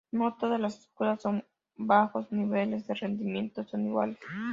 No todas las escuelas con bajos niveles de rendimiento son iguales.